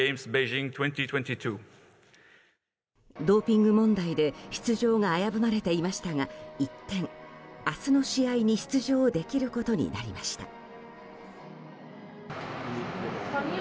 ドーピング問題で出場が危ぶまれていましたが一転、明日の試合に出場できることになりました。